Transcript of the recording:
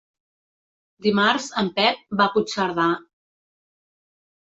Dimarts en Pep va a Puigcerdà.